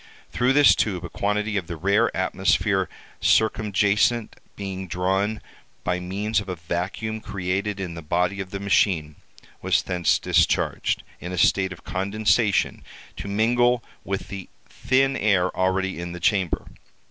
Through this tube a quantity of the rare atmosphere circumjacent being drawn by means of a vacuum created in the body of the machine, was thence discharged, in a state of condensation, to mingle with the thin air already in the chamber.